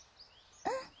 うん。